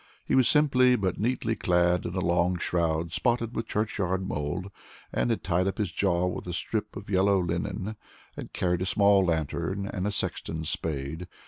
He was simply but neatly clad in a long shroud, spotted with churchyard mold, had tied up his jaw with a strip of yellow linen, and carried a small lantern and a sexton's spade.